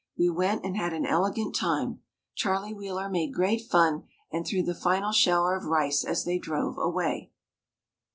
We went and had an elegant time. Charlie Wheeler made great fun and threw the final shower of rice as they drove away.